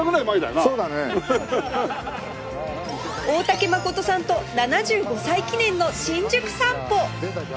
大竹まことさんと７５歳記念の新宿散歩